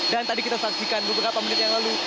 dan tadi kita saksikan beberapa menit yang lalu